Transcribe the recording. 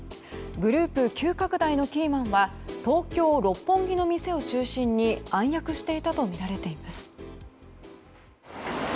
グループ急拡大のキーマンは東京・六本木の店を中心に暗躍していたとみられています。